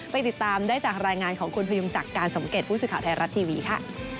ติดตามได้จากรายงานของคุณพยุงศักดิ์การสมเกตผู้สื่อข่าวไทยรัฐทีวีค่ะ